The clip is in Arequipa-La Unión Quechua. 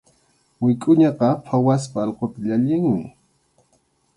Wikʼuñaqa phawaspa allquta llallinmi.